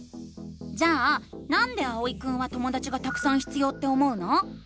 じゃあ「なんで」あおいくんはともだちがたくさん必要って思うの？